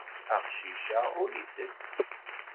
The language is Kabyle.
Aqcic-a ur ittett.